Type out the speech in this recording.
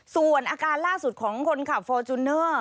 ส่วนอาการล่าสุดของคนขับฟอร์จูเนอร์